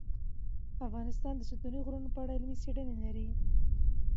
افغانستان د ستوني غرونه په اړه علمي څېړنې لري.